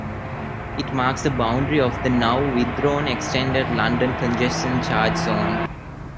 It marks the boundary of the, now withdrawn, extended London Congestion Charge Zone.